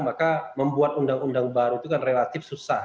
maka membuat undang undang baru itu kan relatif susah